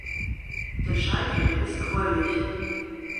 Der Scheitel ist gräulich.